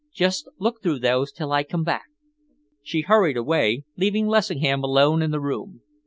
"Just look through those till I come back." She hurried away, leaving Lessingham alone in the room.